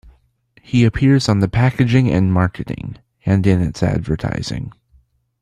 He appears on the packaging and marketing, and in its advertising.